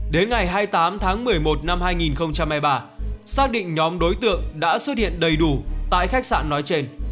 đến ngày hai mươi tám tháng một mươi một năm hai nghìn hai mươi ba xác định nhóm đối tượng đã xuất hiện đầy đủ tại khách sạn nói trên